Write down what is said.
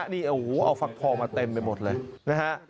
นี่เอาฝักพรมาเต็มไปหมดเลยนะฮะ